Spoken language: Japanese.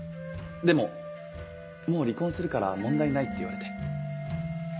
でももう離婚するから問題ないって言われて。